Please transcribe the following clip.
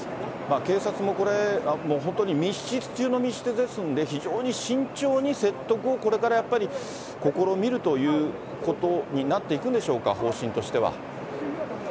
警察も本当に密室中の密室ですので、非常に慎重に説得をこれからやっぱり試みるということになっていくんでしょうか、方針としては。